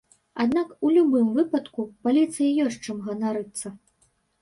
Аднак, у любым выпадку, паліцыі ёсць чым ганарыцца.